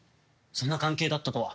そんな関係だったとは。